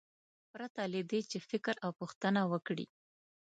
پرته له دې چې فکر او پوښتنه وکړي.